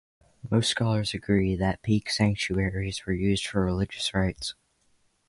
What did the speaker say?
Most scholars agree that peak sanctuaries were used for religious rites.